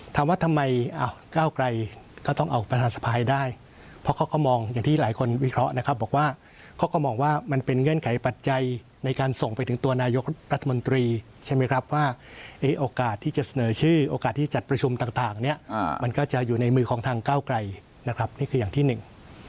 ถามว่าทำไมก้าวไกลก็ต้องเอาประธานสภายได้เพราะเขาก็มองอย่างที่หลายคนวิเคราะห์นะครับบอกว่าเขาก็มองว่ามันเป็นเงื่อนไขปัจจัยในการส่งไปถึงตัวนายกรัฐมนตรีใช่ไหมครับว่าโอกาสที่จะเสนอชื่อโอกาสที่จัดประชุมต่างเนี่ยมันก็จะอยู่ในมือของทางก้าวไกลนะครับนี่คืออย่างที่หนึ่ง